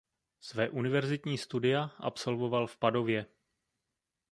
Své univerzitní studia absolvoval v Padově.